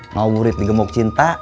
mau burit di gemuk cinta